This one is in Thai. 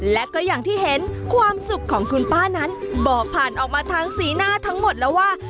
และก็อย่างที่เห็นความสุขของคุณป้านั้นบอกผ่านออกมาทางสีหน้าทั้งหมดแล้วว่า